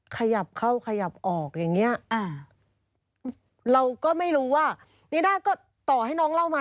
ขยับเข้าขยับออกอย่างเงี้อ่าเราก็ไม่รู้ว่านิด้าก็ต่อให้น้องเล่ามา